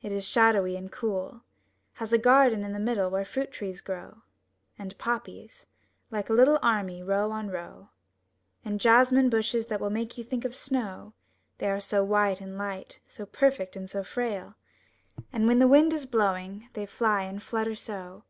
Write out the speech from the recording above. It is shadowy and cool; Has a garden in the middle where fruit trees grow, And poppies, like a little army, row on row. And jasmine bushes that will make you think of snow, They are so white and light, so perfect and so frail. And when the wind is blowing they fly and flutter so!